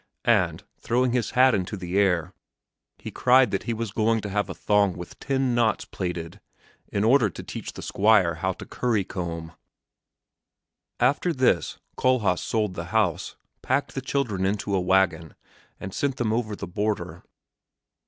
and, throwing his hat into the air, he cried that he was going to have a thong with ten knots plaited in order to teach the Squire how to curry comb. After this Kohlhaas sold the house, packed the children into a wagon, and sent them over the border.